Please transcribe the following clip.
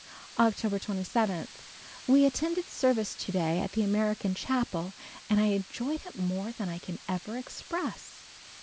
October 27. We attended service to day at the American Chapel and I enjoyed it more than I can ever express.